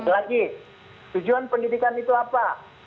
lagi tujuan pendidikan itu apa